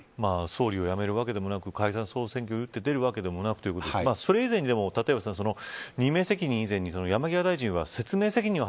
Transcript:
総理をやめるわけでもなく解散総選挙に打って出るわけでもなくということででもそれ以前に任命責任以前に山際大臣は説明責任を